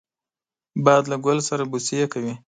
باد له ګل سره بوسې کوي